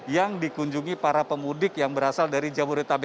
yang dikunjungi para pemudik yang berasal dari jamboree tabe